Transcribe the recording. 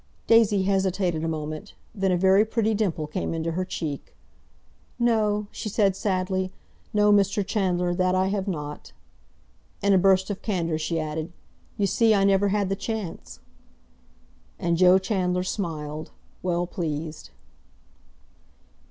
Daisy hesitated a moment; then a very pretty dimple came into her cheek. "No," she said sadly. "No, Mr. Chandler, that I have not." In a burst of candour she added, "You see, I never had the chance!" And Joe Chandler smiled, well pleased.